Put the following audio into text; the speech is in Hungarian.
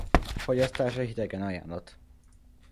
Fogyasztása hidegen ajánlott.